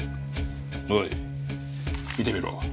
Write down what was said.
おい見てみろ。